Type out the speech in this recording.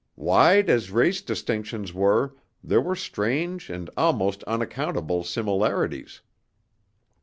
Wide as race distinctions were, there were strange and almost unaccountable similarities."